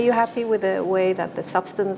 yang dilakukan oleh substansi